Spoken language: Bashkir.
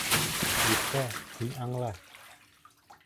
Иркә, һин аңла.